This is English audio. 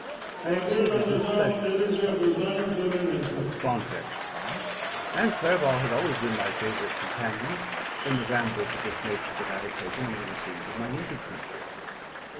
I acceded with pleasure to this proposition: I was fond of exercise, and Clerval had always been my favourite companion in the rambles of this nature that I had taken among the scenes of my native country.